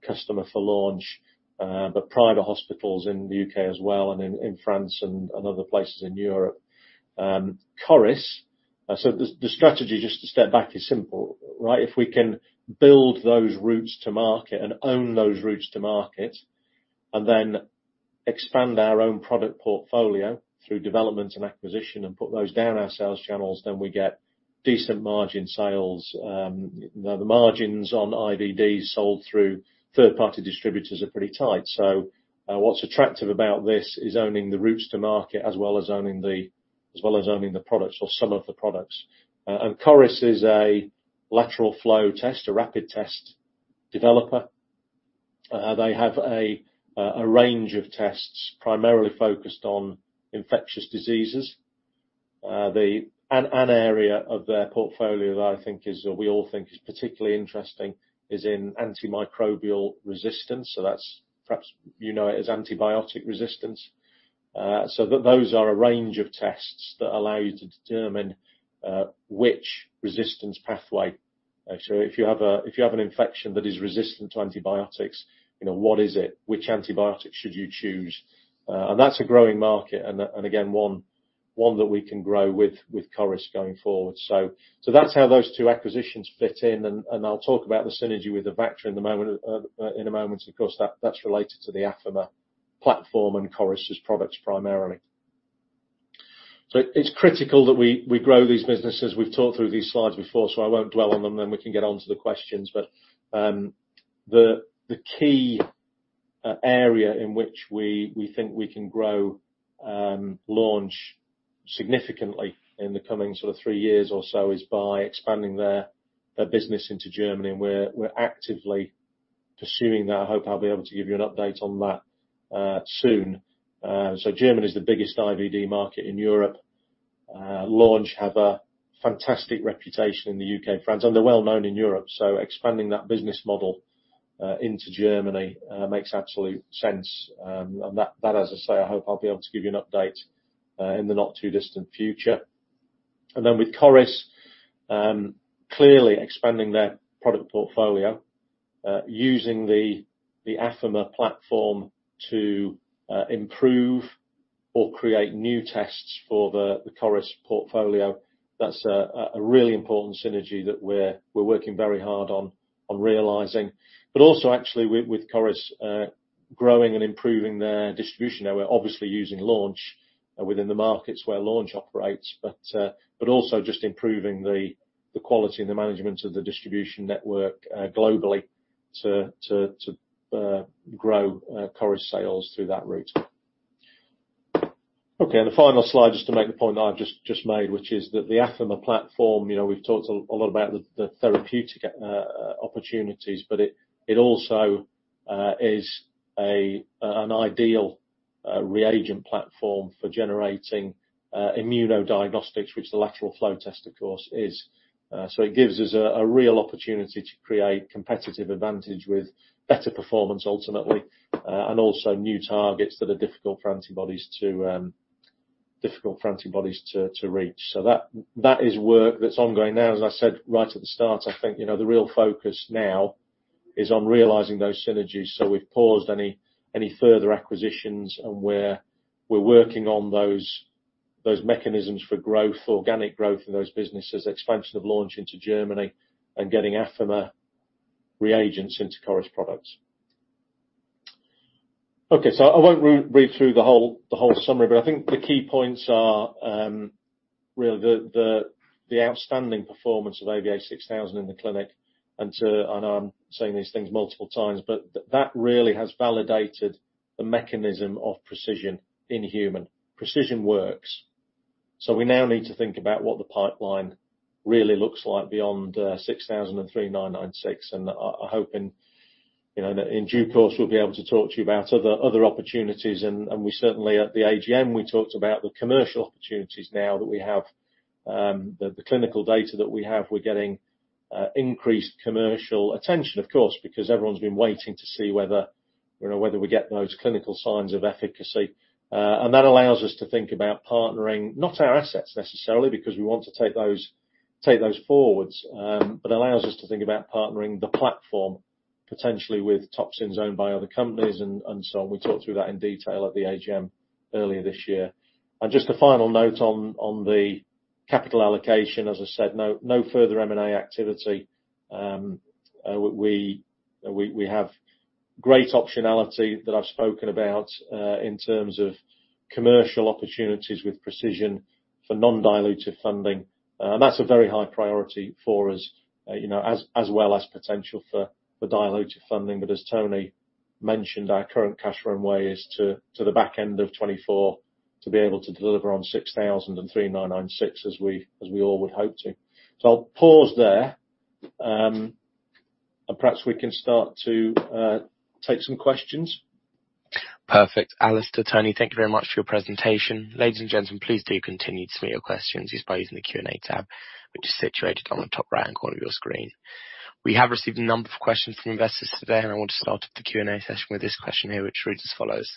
customer for Launch, but private hospitals in the U.K. as well, and in France and other places in Europe. Coris, so the strategy, just to step back, is simple, right? If we can build those routes to market and own those routes to market, and then expand our own product portfolio through development and acquisition, and put those down our sales channels, then we get decent margin sales. The margins on IVDs sold through third-party distributors are pretty tight, so what's attractive about this is owning the routes to market as well as owning the products, or some of the products. Coris is a lateral flow test, a rapid test developer. They have a range of tests, primarily focused on infectious diseases. And an area of their portfolio that I think is, or we all think is particularly interesting, is in antimicrobial resistance, so that's perhaps, you know, what you know it as antibiotic resistance. So those are a range of tests that allow you to determine which resistance pathway. So if you have an infection that is resistant to antibiotics, you know, what is it? Which antibiotic should you choose? And that's a growing market, and again, one that we can grow with Coris going forward. So that's how those two acquisitions fit in, and I'll talk about the synergy with the Avacta in a moment, in a moment. Of course, that's related to the Affimer platform and Coris' products primarily. So it's critical that we grow these businesses. We've talked through these slides before, so I won't dwell on them, then we can get onto the questions. But the key area in which we think we can grow Launch significantly in the coming sort of three years or so is by expanding their business into Germany, and we're actively pursuing that. I hope I'll be able to give you an update on that soon. So Germany is the biggest IVD market in Europe. Launch have a fantastic reputation in the U.K. and France, and they're well-known in Europe, so expanding that business model into Germany makes absolute sense. And that, as I say, I hope I'll be able to give you an update in the not-too-distant future. And then with Coris clearly expanding their product portfolio, using the Affimer platform to improve or create new tests for the Coris portfolio, that's a really important synergy that we're working very hard on realizing. But also actually, with Coris growing and improving their distribution now, we're obviously using Launch within the markets where Launch operates, but also just improving the quality and the management of the distribution network globally, to grow Coris sales through that route. Okay, and the final slide, just to make the point that I've just, just made, which is that the Affimer platform, you know, we've talked a, a lot about the, the therapeutic opportunities, but it, it also is a, an ideal reagent platform for generating immunodiagnostics, which the lateral flow test, of course, is. So it gives us a, a real opportunity to create competitive advantage with better performance, ultimately, and also new targets that are difficult for antibodies to difficult for antibodies to, to reach. So that, that is work that's ongoing now. As I said, right at the start, I think, you know, the real focus now is on realizing those synergies, so we've paused any further acquisitions, and we're working on those mechanisms for growth, organic growth in those businesses, expansion of Launch into Germany, and getting Affimer reagents into Coris products. Okay, so I won't re-read through the whole summary, but I think the key points are really the outstanding performance of AVA6000 in the clinic, and I'm saying these things multiple times, but that really has validated the mechanism of pre|CISION in human. pre|CISION works, so we now need to think about what the pipeline really looks like beyond 6000 and 3996, and I hope in, you know, in due course, we'll be able to talk to you about other opportunities. We certainly, at the AGM, we talked about the commercial opportunities now that we have. The clinical data that we have, we're getting increased commercial attention, of course, because everyone's been waiting to see whether, you know, whether we get those clinical signs of efficacy. And that allows us to think about partnering, not our assets necessarily, because we want to take those forwards, but allows us to think about partnering the platform, potentially with toxins owned by other companies and so on. We talked through that in detail at the AGM earlier this year. And just a final note on the capital allocation. As I said, no further M&A activity. We have great optionality that I've spoken about in terms of commercial opportunities with pre|CISION for non-dilutive funding, and that's a very high priority for us, you know, as well as potential for dilutive funding. But as Tony mentioned, our current cash runway is to the back end of 2024, to be able to deliver on 6000 and 3996, as we all would hope to. So I'll pause there. And perhaps we can start to take some questions. Perfect. Alastair, Tony, thank you very much for your presentation. Ladies and gentlemen, please do continue to submit your questions just by using the Q&A tab, which is situated on the top right-hand corner of your screen. We have received a number of questions from investors today, and I want to start up the Q&A session with this question here, which reads as follows: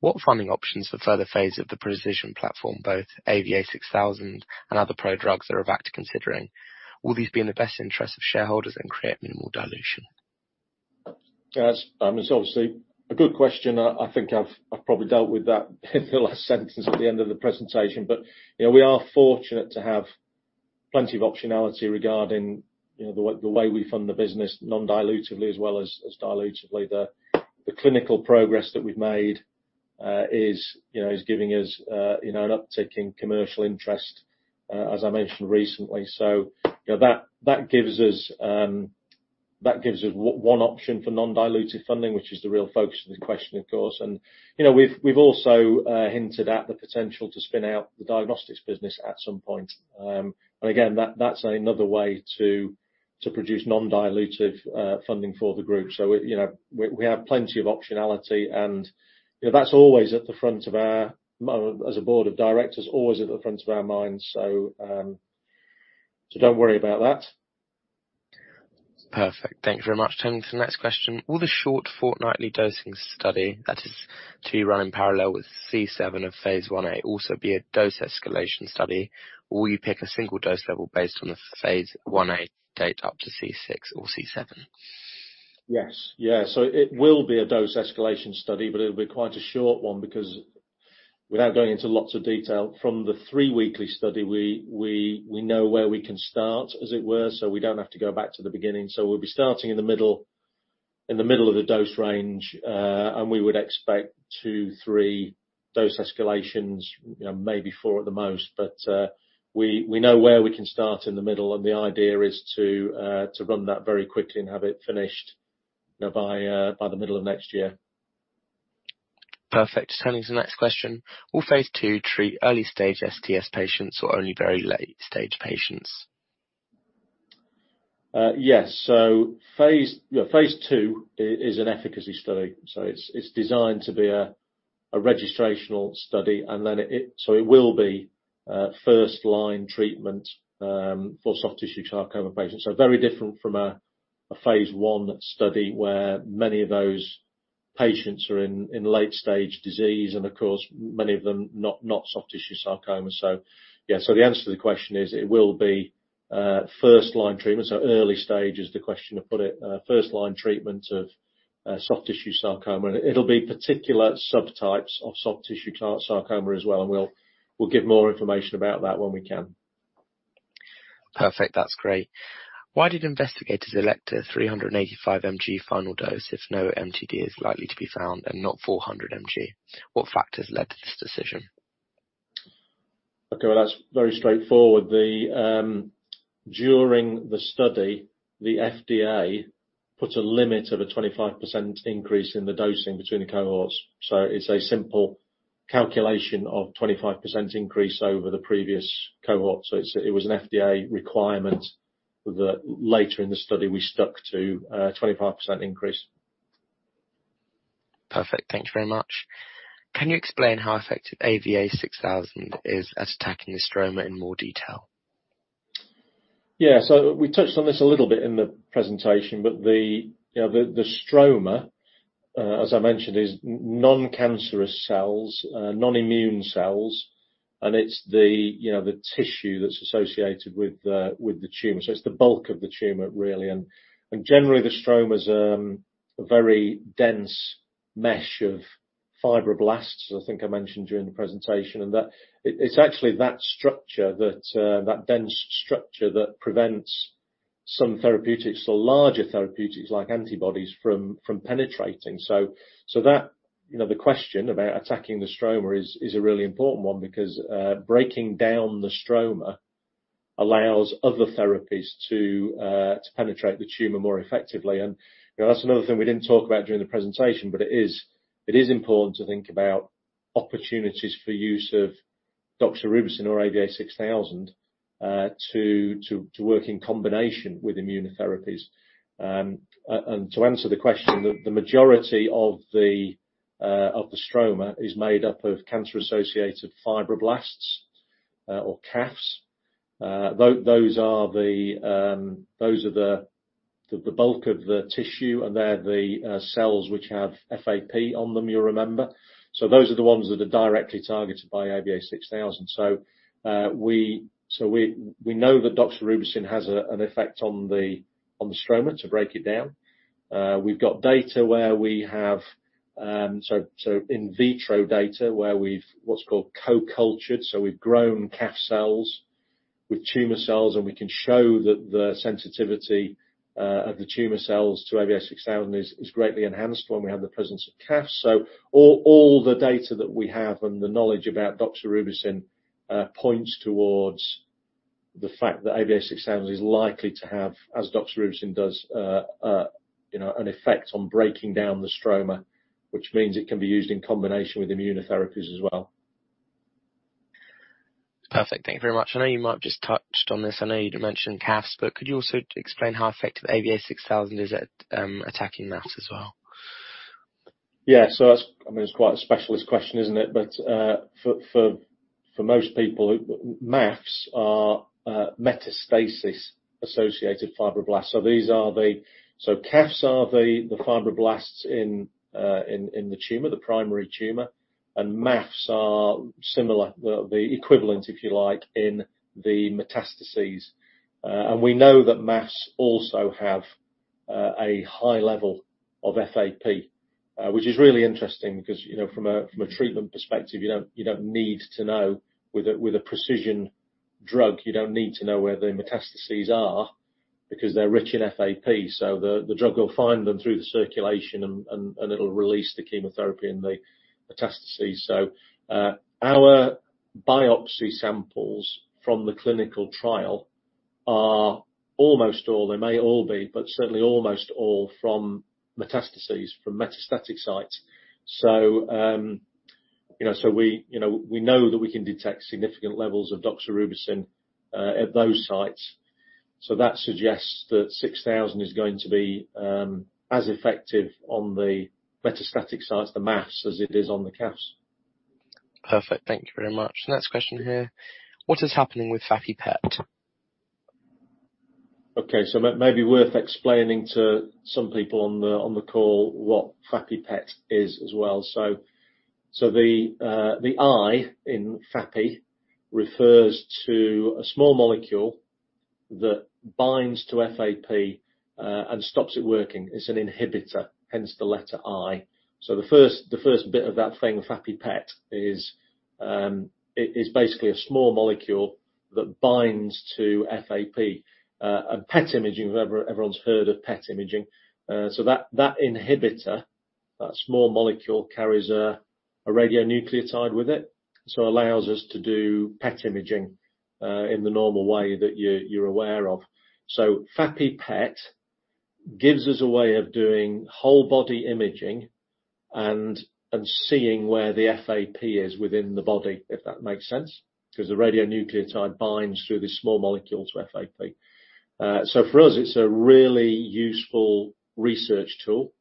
What funding options for further phase of the pre|CISION platform, both AVA6000 and other prodrugs are back to considering? Will these be in the best interest of shareholders and create minimal dilution? Yes, it's obviously a good question. I think I've probably dealt with that in the last sentence at the end of the presentation, but, you know, we are fortunate to have plenty of optionality regarding, you know, the way we fund the business, non-dilutively as well as dilutively. The clinical progress that we've made, is, you know, is giving us, you know, an uptick in commercial interest, as I mentioned recently. So, you know, that gives us one option for non-dilutive funding, which is the real focus of the question, of course. And, you know, we've also hinted at the potential to spin out the diagnostics business at some point. And again, that, that's another way to produce non-dilutive funding for the group. So, you know, we have plenty of optionality, and, you know, that's always at the front of our, as a board of directors, always at the front of our minds, so, so don't worry about that. Perfect. Thank you very much, Turning to next question: Will the short fortnightly dosing study, that is to run in parallel with C7 of phase IA, also be a dose escalation study, or will you pick a single dose level based on the phase IA data up to C6 or C7? Yes. Yeah, so it will be a dose escalation study, but it'll be quite a short one, because without going into lots of detail, from the three weekly study, we know where we can start, as it were, so we don't have to go back to the beginning. So we'll be starting in the middle of the dose range, and we would expect two, three dose escalations, you know, maybe four at the most. But we know where we can start in the middle, and the idea is to run that very quickly and have it finished, you know, by the middle of next year. Perfect. Turning to the next question: Will phase II treat early-stage STS patients or only very late-stage patients? Yes. So phase II is an efficacy study, so it's designed to be a registrational study, and then so it will be a first-line treatment for soft tissue sarcoma patients. So very different from a phase I study, where many of those patients are in late-stage disease, and of course, many of them, not soft tissue sarcomas. So the answer to the question is, it will be first-line treatment, so early stage is the question, to put it, first-line treatment of soft tissue sarcoma. And it'll be particular subtypes of soft tissue sarcoma as well, and we'll give more information about that when we can. Perfect. That's great. Why did investigators elect a 385 mg final dose if no MTD is likely to be found and not 400 mg? What factors led to this decision? Okay, well, that's very straightforward. During the study, the FDA put a limit of a 25% increase in the dosing between the cohorts, so it's a simple calculation of 25% increase over the previous cohort. So it's, it was an FDA requirement that later in the study, we stuck to a 25% increase. Perfect. Thank you very much. Can you explain how effective AVA6000 is at attacking the stroma in more detail? Yeah. So we touched on this a little bit in the presentation, but you know, the stroma, as I mentioned, is non-cancerous cells, non-immune cells, and it's you know, the tissue that's associated with the tumor. So it's the bulk of the tumor, really. And generally, the stroma's a very dense mesh of fibroblasts, as I think I mentioned during the presentation, and it's actually that structure, that dense structure that prevents some therapeutics or larger therapeutics, like antibodies, from penetrating. So that you know, the question about attacking the stroma is a really important one because breaking down the stroma allows other therapies to penetrate the tumor more effectively. You know, that's another thing we didn't talk about during the presentation, but it is, it is important to think about opportunities for use of doxorubicin or AVA6000 to work in combination with immunotherapies. And to answer the question, the majority of the stroma is made up of cancer-associated fibroblasts, or CAFs. Those are the bulk of the tissue, and they're the cells which have FAP on them, you'll remember. So those are the ones that are directly targeted by AVA6000. So we know that doxorubicin has an effect on the stroma, to break it down. We've got data where we have, so, in vitro data, where we've what's called co-cultured, so we've grown CAF cells with tumor cells, and we can show that the sensitivity of the tumor cells to AVA6000 is greatly enhanced when we have the presence of CAFs. So all the data that we have and the knowledge about doxorubicin points towards the fact that AVA6000 is likely to have, as doxorubicin does, you know, an effect on breaking down the stroma, which means it can be used in combination with immunotherapies as well. Perfect. Thank you very much. I know you might have just touched on this. I know you'd mentioned CAFs, but could you also explain how effective AVA6000 is at attacking MAFs as well? Yeah. So that's, I mean, it's quite a specialist question, isn't it? But, for most people, MAFs are metastasis-associated fibroblasts. So these are the... So CAFs are the fibroblasts in the tumor, the primary tumor, and MAFs are similar, well, the equivalent, if you like, in the metastases. And we know that MAFs also have a high level of FAP, which is really interesting because, you know, from a treatment perspective, you don't need to know, with a pre|CISION drug, you don't need to know where the metastases are because they're rich in FAP. So the drug will find them through the circulation, and it'll release the chemotherapy in the metastases. So, our biopsy samples from the clinical trial are almost all, they may all be, but certainly almost all from metastases, from metastatic sites. So, you know, so we, you know, we know that we can detect significant levels of doxorubicin at those sites, so that suggests that 6000 is going to be as effective on the metastatic sites, the MAFs, as it is on the CAFs. Perfect. Thank you very much. Next question here: What is happening with FAPI-PET? Okay, so it may be worth explaining to some people on the call what FAPI-PET is as well. So the I in FAPI refers to a small molecule that binds to FAP and stops it working. It's an inhibitor, hence the letter I. So the first bit of that thing, FAPI-PET, is basically a small molecule that binds to FAP and PET imaging, everyone's heard of PET imaging. So that inhibitor, that small molecule, carries a radionuclide with it, so allows us to do PET imaging in the normal way that you're aware of. So FAPI-PET gives us a way of doing whole body imaging and seeing where the FAP is within the body, if that makes sense, 'cause the radionuclide binds through this small molecule to FAP. So for us, it's a really useful research tool.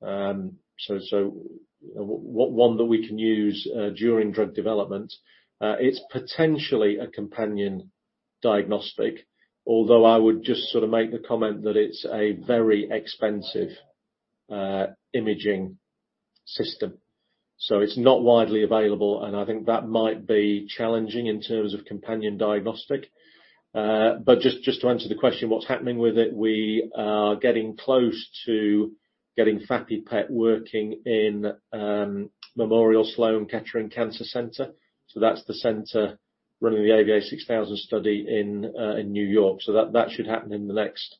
So one that we can use during drug development. It's potentially a companion diagnostic, although I would just sort of make the comment that it's a very expensive imaging system, so it's not widely available, and I think that might be challenging in terms of companion diagnostic. But just to answer the question, what's happening with it? We are getting close to getting FAPI-PET working in Memorial Sloan Kettering Cancer Center. So that's the center running the AVA6000 study in New York. So that should happen in the next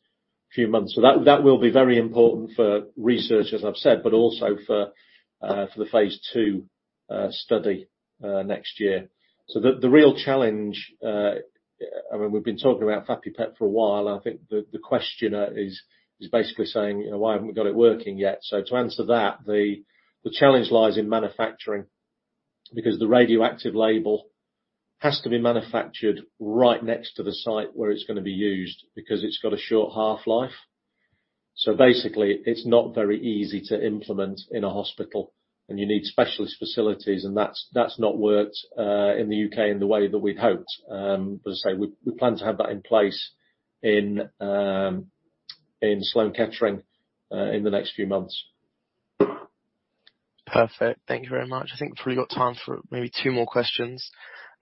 few months. So that will be very important for research, as I've said, but also for the phase II study next year. So the real challenge... I mean, we've been talking about FAPI-PET for a while. I think the questioner is basically saying, "You know, why haven't we got it working yet?" So to answer that, the challenge lies in manufacturing, because the radioactive label has to be manufactured right next to the site where it's gonna be used, because it's got a short half-life. So basically, it's not very easy to implement in a hospital, and you need specialist facilities, and that's not worked in the U.K. in the way that we'd hoped. But as I say, we plan to have that in place in Sloan Kettering in the next few months. Perfect. Thank you very much. I think we've probably got time for maybe two more questions.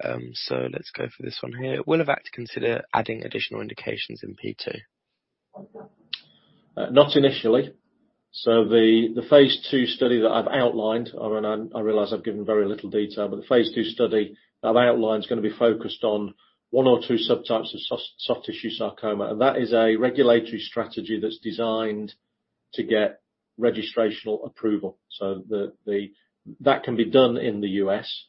So let's go for this one here: "Will Avacta consider adding additional indications in P two? Not initially. So the phase II study that I've outlined, I mean, I realize I've given very little detail, but the phase II study that I've outlined is gonna be focused on one or two subtypes of soft tissue sarcoma, and that is a regulatory strategy that's designed to get registrational approval. So that can be done in the U.S.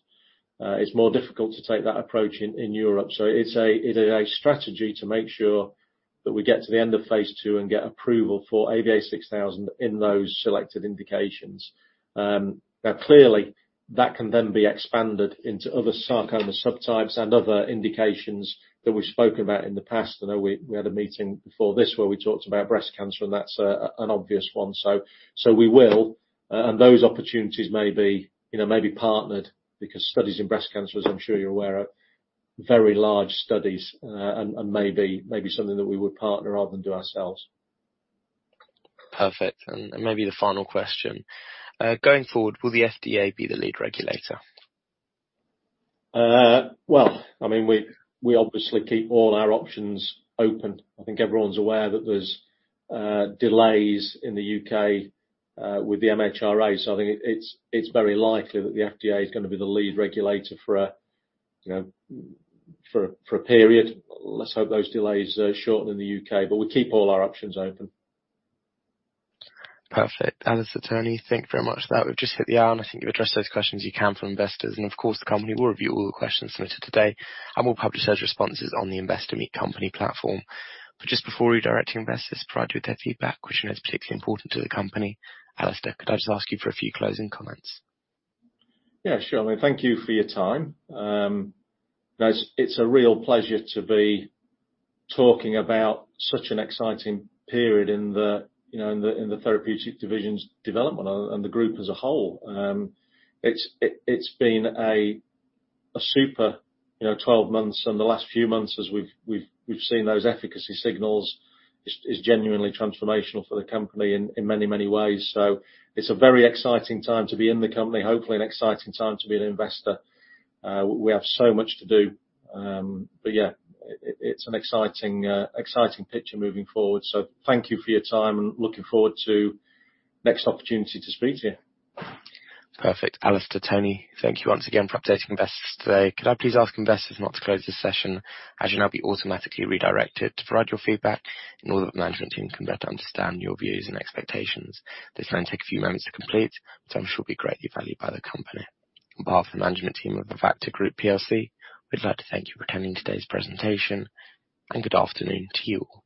It's more difficult to take that approach in Europe. So it's a strategy to make sure that we get to the end of phase II and get approval for AVA6000 in those selected indications. Now, clearly, that can then be expanded into other sarcoma subtypes and other indications that we've spoken about in the past. I know we had a meeting before this, where we talked about breast cancer, and that's an obvious one. So, we will, and those opportunities may be, you know, may be partnered, because studies in breast cancer, as I'm sure you're aware, are very large studies, and may be something that we would partner rather than do ourselves. Perfect. Maybe the final question: "Going forward, will the FDA be the lead regulator? Well, I mean, we obviously keep all our options open. I think everyone's aware that there's delays in the U.K. with the MHRA. So I think it's very likely that the FDA is gonna be the lead regulator for, you know, for a period. Let's hope those delays are shorter than the U.K., but we keep all our options open. Perfect. Alastair, Tony, thank you very much for that. We've just hit the hour, and I think you've addressed those questions you can from investors. Of course, the company will review all the questions submitted today, and we'll publish those responses on the Investor Meet Company platform. Just before we direct investors to provide you with their feedback, which we know is particularly important to the company, Alastair, could I just ask you for a few closing comments? Yeah, sure. Thank you for your time. Now, it's a real pleasure to be talking about such an exciting period in the, you know, in the therapeutic division's development and the group as a whole. It's been a super, you know, 12 months, and the last few months as we've seen those efficacy signals is genuinely transformational for the company in many ways. So it's a very exciting time to be in the company, hopefully an exciting time to be an investor. We have so much to do. But yeah, it's an exciting picture moving forward. So thank you for your time, and looking forward to next opportunity to speak to you. Perfect. Alastair, Tony, thank you once again for updating investors today. Could I please ask investors not to close this session, as you'll now be automatically redirected to provide your feedback in order that the management team can better understand your views and expectations. This will only take a few moments to complete, but I'm sure it will be greatly valued by the company. On behalf of the management team of the Avacta Group plc, we'd like to thank you for attending today's presentation, and good afternoon to you all.